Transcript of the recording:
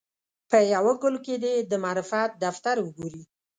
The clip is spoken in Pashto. په یوه ګل کې دې د معرفت دفتر وګوري.